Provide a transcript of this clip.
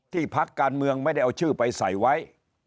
พักการเมืองไม่ได้เอาชื่อไปใส่ไว้